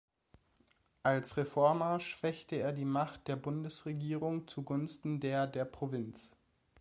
Als Reformer schwächte er die Macht der Bundesregierung zugunsten der der Provinz.